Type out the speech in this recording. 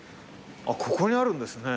ここにあるんですね。